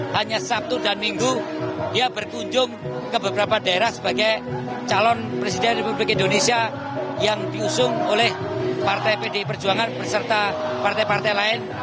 hanya sabtu dan minggu dia berkunjung ke beberapa daerah sebagai calon presiden republik indonesia yang diusung oleh partai pdi perjuangan berserta partai partai lain